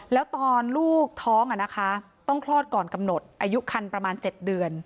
แล้วตอนลูกท้องต้องคลอดก่อนกำหนดอายุคันประมาณ๗เดือน